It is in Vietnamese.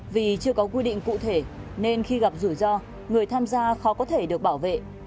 vì chưa có quy định cụ thể nên khi gặp rủi ro người tham gia khó có thể được bảo vệ